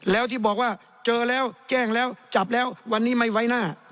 แล้วที่บอกว่าเจอแล้วแจ้งแล้วจับแล้ววันนี้ไม่ไว้หน้า